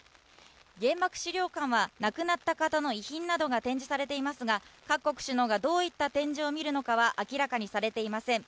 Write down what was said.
原爆資料館は亡くなった方の遺品などが展示されていますが各国首脳がどういった展示を見るのかは明らかになっていません。